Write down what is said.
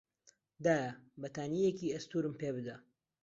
دایە، بەتانیێکی ئەستوورم پێ بدە.